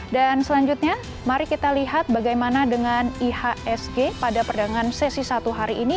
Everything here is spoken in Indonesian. dan selanjutnya mari kita lihat bagaimana dengan ihsg pada perdagangan sesi satu hari ini